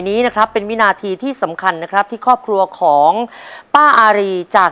นี้นะครับเป็นวินาทีที่สำคัญนะครับที่ครอบครัวของป้าอารีจาก